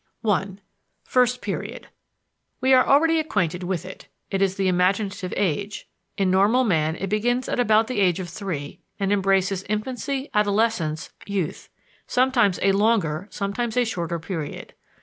I First Period. We are already acquainted with it: it is the imaginative age. In normal man, it begins at about the age of three, and embraces infancy, adolescence, youth: sometimes a longer, sometimes a shorter period.